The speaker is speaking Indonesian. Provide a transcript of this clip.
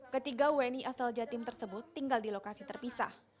ketiga wni asal jatim tersebut tinggal di lokasi terpisah